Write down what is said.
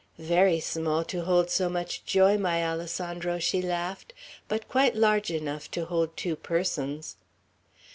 "Very small to hold so much joy, my Alessandro," she laughed; "but quite large enough to hold two persons."